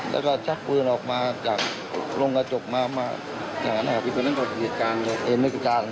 แล้วก็ชักปืนออกมาจากลงกระจกมาจากหน้าหาวิทยาลังค์ก็เห็นกับกลางเลย